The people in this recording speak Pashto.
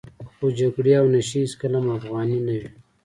خو جګړې او نشې هېڅکله هم افغاني نه وې.